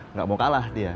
nggak mau kalah dia